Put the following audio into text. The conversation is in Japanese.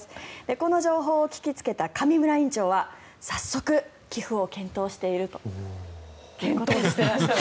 この情報を聞きつけた上村院長は早速、寄付を検討しているということです。